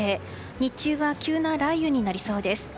日中は急な雷雨になりそうです。